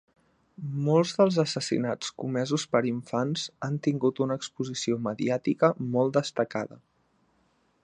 Molts dels assassinats comesos per infants han tingut una exposició mediàtica molt destacada.